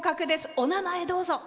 お名前、どうぞ。